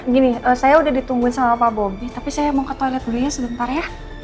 gini saya udah ditungguin sama pak bobi tapi saya mau ke toilet dulunya sebentar ya